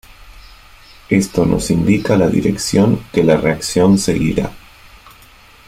Esto nos indica la dirección que la reacción seguirá.